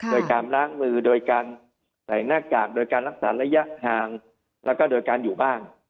โดยการล้างมือโดยการใส่หน้ากากโดยการรักษาระยะห่างแล้วก็โดยการอยู่บ้าน